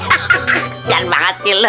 kesian banget sih lu